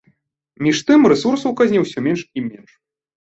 Між тым, рэсурсаў у казне ўсё менш і менш.